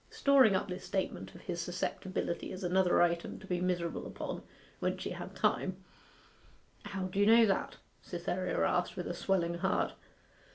Storing up this statement of his susceptibility as another item to be miserable upon when she had time, 'How do you know that?' Cytherea asked, with a swelling heart.